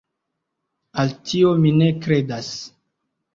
Al tio mi ne kredas.